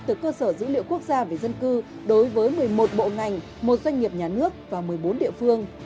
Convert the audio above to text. từ cơ sở dữ liệu quốc gia về dân cư đối với một mươi một bộ ngành một doanh nghiệp nhà nước và một mươi bốn địa phương